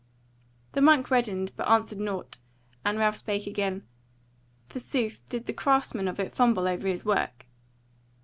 The monk reddened, but answered nought, and Ralph spake again: "Forsooth, did the craftsman of it fumble over his work?"